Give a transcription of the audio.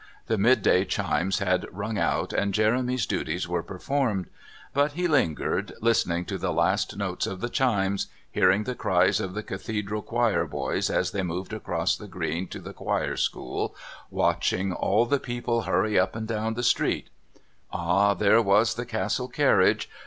The midday chimes had rung out and Jeremy's duties were performed. But he lingered, listening to the last notes of the chimes, hearing the cries of the Cathedral choir boys as they moved across the green to the choir school, watching all the people hurry up and down the street. Ah, there was the Castle carriage!